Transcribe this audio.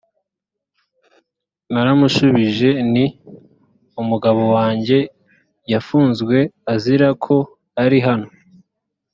naramushubije nti umugabo wanjye yafunzwe azira ko ari hano